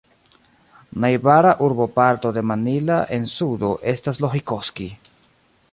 Najbara urboparto de Mannila en sudo estas Lohikoski.